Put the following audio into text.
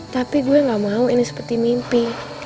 tapi gue gak mau ini seperti mimpi